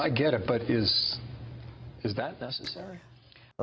saya paham tapi apakah itu perlu